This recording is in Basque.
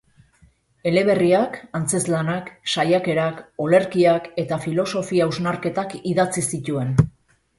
Eleberriak, antzezlanak, saiakerak, olerkiak eta filosofia hausnarketak idatzi zituen.